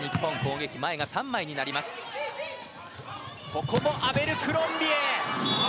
ここもアベルクロンビエ。